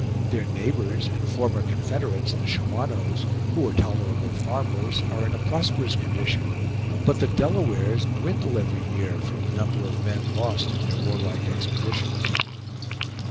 Their neighbors and former confederates, the Shawanoes, who are tolerable farmers, are in a prosperous condition; but the Delawares dwindle every year, from the number of men lost in their warlike expeditions.